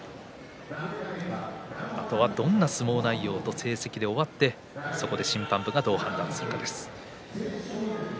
あとはどんな相撲内容と成績で終わって、そこで審判部がどうご判断するかです。